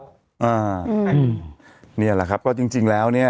นี่แหละครับก็จริงแล้วเนี่ย